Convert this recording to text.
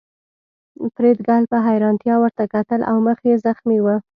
فریدګل په حیرانتیا ورته کتل او مخ یې زخمي و